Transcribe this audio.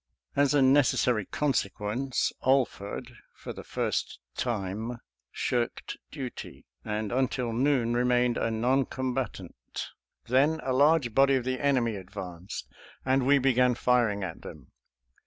As a necessary consequence, Alford for the first time shirked duty, and until noon remained a non combatant. Then a large body of the enemy advanced, and we began firing at them.